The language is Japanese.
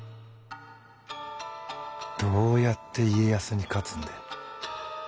どうやって家康に勝つんで？